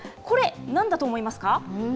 これ、なんだと思いますか？